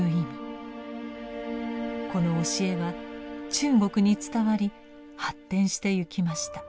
この教えは中国に伝わり発展してゆきました。